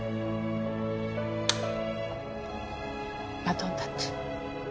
バトンタッチ。